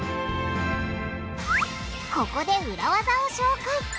ここでウラ技を紹介！